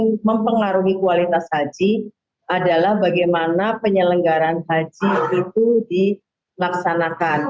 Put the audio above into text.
yang mempengaruhi kualitas haji adalah bagaimana penyelenggaran haji itu dilaksanakan